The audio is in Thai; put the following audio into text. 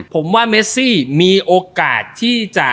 ผมว่าเมซี่มีโอกาสที่จะ